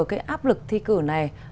cái áp lực thi cử này